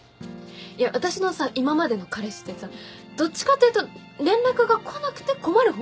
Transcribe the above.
いや私のさ今までの彼氏ってさどっちかというと連絡が来なくて困る方だったじゃん。